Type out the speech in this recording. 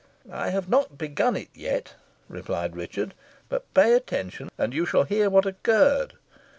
"I have not begun it yet," replied Richard. "But pay attention, and you shall hear what occurred.